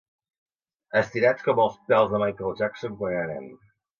Estirats com els pèls de Michael Jackson quan era nen.